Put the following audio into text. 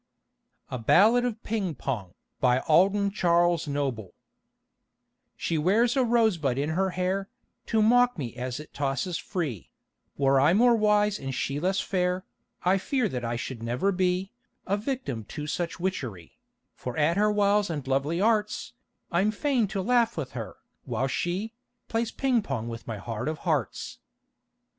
A BALLADE OF PING PONG BY ALDEN CHARLES NOBLE She wears a rosebud in her hair To mock me as it tosses free; Were I more wise and she less fair I fear that I should never be A victim to such witchery; For at her wiles and lovely arts I'm fain to laugh with her, while she Plays ping pong with my heart of hearts.